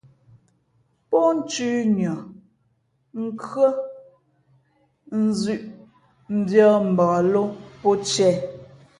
Pó nthʉ̌nʉα, nkhʉ́ά, nzʉ̄ʼ mbiᾱᾱ mbak lō pó tiē.